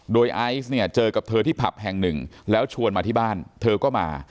โดยไอซ์เนี่ยเจอกับเธอที่ผับแห่งหนึ่งแล้วชวนมาที่บ้านเธอก็มา